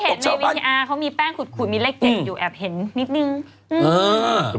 เค้ามีแป้งขุดมีเลข๗อยู่แอบเห็นนิดนึง